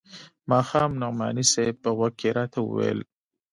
ماښام نعماني صاحب په غوږ کښې راته وويل.